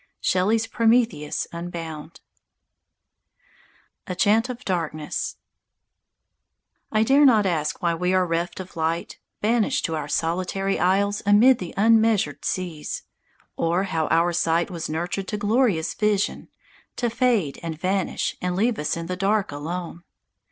_" Shelley's "Prometheus Unbound." I DARE not ask why we are reft of light, Banished to our solitary isles amid the unmeasured seas, Or how our sight was nurtured to glorious vision, To fade and vanish and leave us in the dark alone.